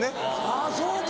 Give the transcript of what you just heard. あぁそうか。